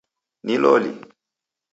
Ni loli ?